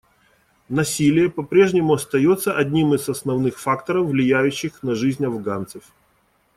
Насилие по-прежнему остается одним из основных факторов, влияющих на жизнь афганцев.